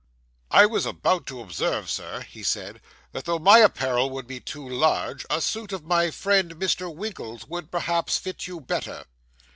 'I was about to observe, Sir,' he said, 'that though my apparel would be too large, a suit of my friend Mr. Winkle's would, perhaps, fit you better.